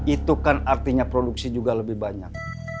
itu kan artinya produksi juga lebih banyak